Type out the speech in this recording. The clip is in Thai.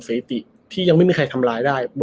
สถิติที่ยังไม่มีใครทำร้ายได้